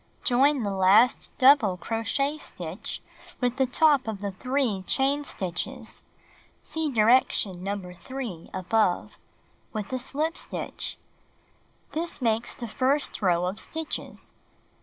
Join the last double crochet stitch with the top of the 3 chain stitches (see direction number 3, above) with a slip stitch. This makes the first row of stitches.